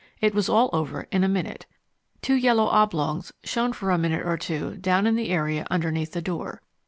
It was all over in a minute. Two yellow oblongs shone for a minute or two down in the area underneath the door.